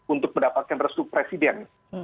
untuk mendapatkan restu presiden